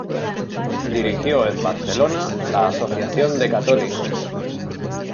Dirigió en Barcelona la Asociación de Católicos.